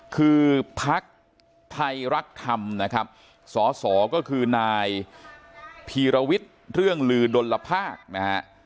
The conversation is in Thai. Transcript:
คือพรรคไทยรักฐำนะครับสสก็คือนายพีรวิตเรื่องลือดนละภาคนะฮะ